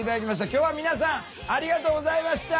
今日は皆さんありがとうございました！